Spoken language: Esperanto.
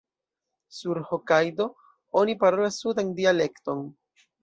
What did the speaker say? Sur Hokajdo oni parolas sudan dialekton.